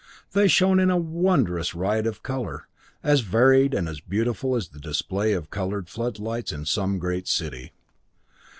They shone in a wonderous riot of color, as varied and as beautiful as the display of colored floodlights in some great city.